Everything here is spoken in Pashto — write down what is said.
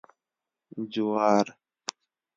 🌽 جوار